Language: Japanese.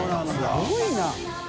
すごいな。